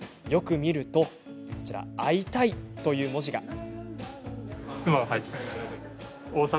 よく見ると「会いたい」という文字が。